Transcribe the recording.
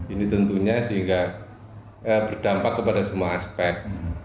ini tentunya sehingga berdampak kepada semua aspek